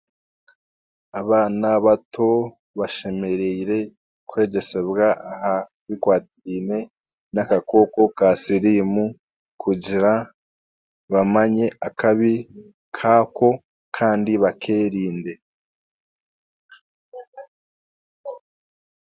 Abaana bato bashemereire kwegyesebwa aha bikwatiraine n'akakooko ka siriimu kugira bamanye akabi kaako kandi bakeerinde.